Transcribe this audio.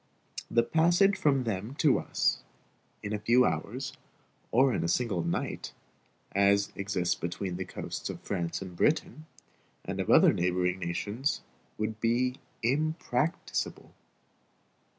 The passage from them to us, in a few hours, or in a single night, as between the coasts of France and Britain, and of other neighboring nations, would be impracticable.